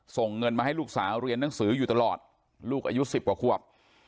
ส่งเงินมาให้ลูกสาวเรียนหนังสืออยู่ตลอดลูกอายุ๑๐กว่าขวบ